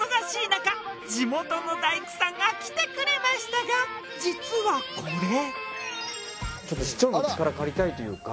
中地元の大工さんが来てくれましたが実はこれ。